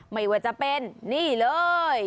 ไม่ว่าจะเป็นนี่เลย